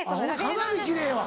かなり奇麗やわ。